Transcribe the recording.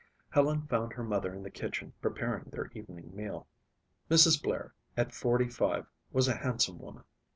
Helen found her mother in the kitchen preparing their evening meal. Mrs. Blair, at forty five, was a handsome woman.